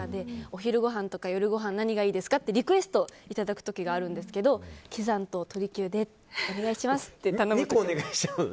お昼ごはんとか夜ごはん何がいいですかってリクエストをいただく時があるんですけど、喜山と鳥久でお願いしますって頼むことが。